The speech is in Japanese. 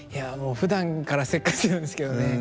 ふだんからせっかちなんですけどね。